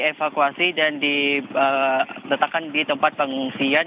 sudah dievakuasi dan ditetapkan di tempat pengungsian